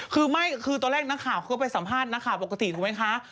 คือไม่คือตอนแรกนักข่าวก็ไปสัมภาษณ์นักข่าวปกติถูกไหมคะ